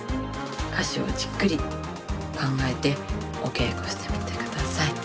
「歌詞をじっくりと考えておけいこしてみてください。